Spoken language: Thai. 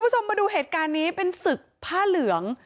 คุณผู้ชมมาดูเหตุการณ์นี้เป็นศึกผ้าเหลือง